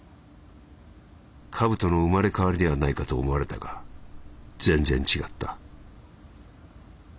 カブトの生まれ変わりではないかと思われたが全然違った」。